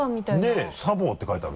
ねぇ「茶房」って書いてある。